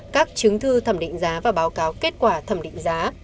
các chứng thư thẩm định giá và báo cáo kết quả thẩm định giá